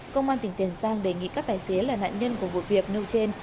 công an tỉnh tiền giang đề nghị các tài xế là nạn nhân của vụ việc nêu trên